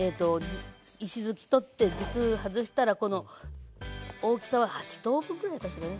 石づき取って軸外したら大きさは８等分ぐらいかしらね。